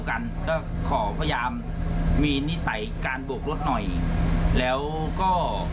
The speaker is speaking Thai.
กันก็ขอพยายามมีนิสัยการโบกรถหน่อยแล้วก็